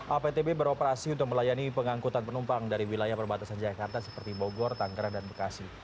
aptb beroperasi untuk melayani pengangkutan penumpang dari wilayah perbatasan jakarta seperti bogor tangerang dan bekasi